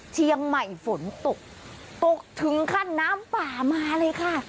เชียงใหม่ฝนตกตกถึงขั้นน้ำป่ามาเลยค่ะ